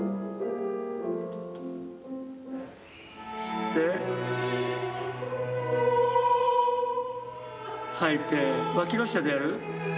吸って吐いてわきの下でやる。